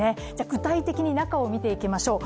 具体的に中を見ていきましょう。